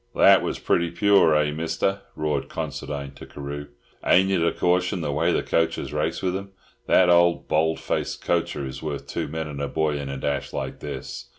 "That was pretty pure, eh, Mister?" roared Considine to Carew. "Ain't it a caution the way the coachers race with 'em? That old bald face coacher is worth two men and a boy in a dash like this."